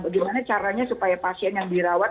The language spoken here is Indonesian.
bagaimana caranya supaya pasien yang dirawat